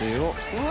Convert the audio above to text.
うわ！